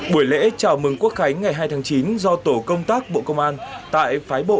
buổi lễ chào mừng quốc khánh ngày hai tháng chín do tổ công tác bộ công an tại phái bộ